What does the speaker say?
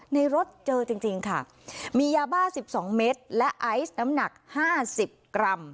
ในรถเจอจริงจริงค่ะมียาบ้าสิบสองเมตรและไอซ์น้ำหนักห้าสิบกรัม